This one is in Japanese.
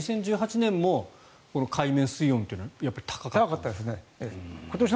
２０１８年も海面水温というのは高かったですね。